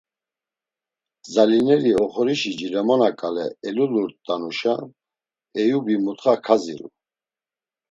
Gzalineri oxorişi cilemona ǩale elulurt̆anuşa, Eyubi mutxa kaziru.